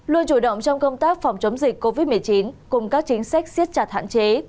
luôn chủ động trong công tác phòng chống dịch covid một mươi chín cùng các chính sách siết chặt hạn chế